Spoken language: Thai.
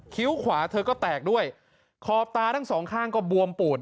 ขวาเธอก็แตกด้วยขอบตาทั้งสองข้างก็บวมปูด